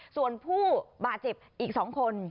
ส่วนผู้บาดเจ็บอีก๒คน